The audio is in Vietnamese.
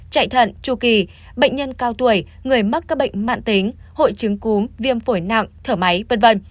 chạy thận chu kỳ bệnh nhân cao tuổi người mắc các bệnh mạng tính hội chứng cúm viêm phổi nặng thở máy v v